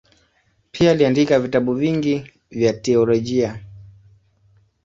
Pia aliandika vitabu vingi vya teolojia.